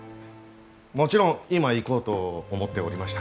もちろん今行こうと思っておりました。